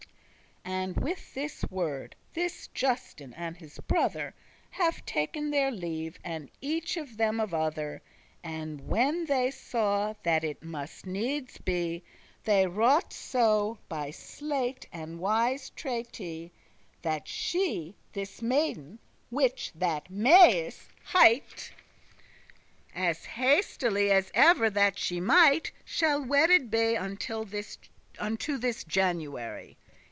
And with this word this Justin' and his brother Have ta'en their leave, and each of them of other. And when they saw that it must needes be, They wroughte so, by sleight and wise treaty, That she, this maiden, which that *Maius hight,* *was named May* As hastily as ever that she might, Shall wedded be unto this January.